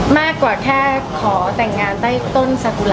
มากกว่าแค่ขอแต่งงานใต้ต้นสากุระ